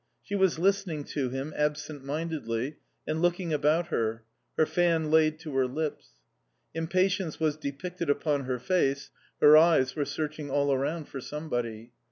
She was listening to him absent mindedly and looking about her, her fan laid to her lips. Impatience was depicted upon her face, her eyes were searching all around for somebody.